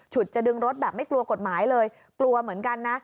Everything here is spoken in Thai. จะดึงรถแบบไม่กลัวกฎหมายเลยกลัวเหมือนกันนะ